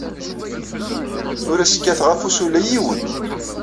Ur as-kkateɣ afus ula i yiwen.